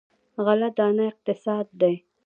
غله دانه اقتصاد دی.